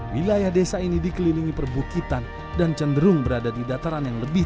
wilayah desa ini dikelilingi perbukitan dan cenderung berada di dataran yang lebih